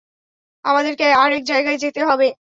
আমাদেরকে আর এক জায়গায় যেতে হবে।